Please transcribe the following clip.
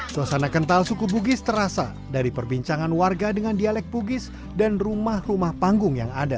suasana kental suku bugis terasa dari perbincangan warga dengan dialek bugis dan rumah rumah panggung yang ada